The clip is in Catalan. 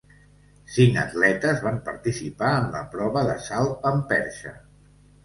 Cinc atletes van participar en la prova de salt amb perxa.